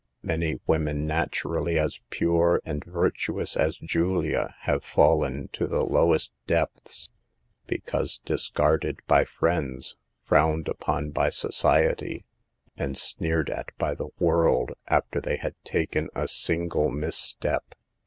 Many women, naturally as pure and vir tuous as Julia, have fallen to the lowest depths, because discarded by friends, frowned upon by society, and sneered at by the world after they had taken a single misstep.